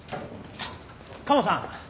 カモさん！